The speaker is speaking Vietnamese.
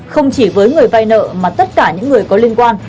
không chỉ với người vay nợ mà tất cả những người có liên quan